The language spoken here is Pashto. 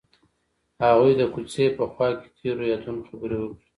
هغوی د کوڅه په خوا کې تیرو یادونو خبرې کړې.